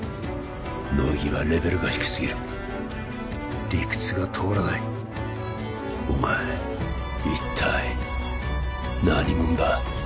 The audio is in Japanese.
乃木はレベルが低すぎる理屈が通らないお前一体何者だ？